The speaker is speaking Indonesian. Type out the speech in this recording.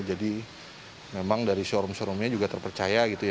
jadi memang dari showroom showroomnya juga terpercaya gitu ya